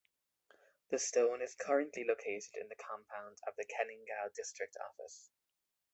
The Stone is currently located in the compound of the Keningau District Office.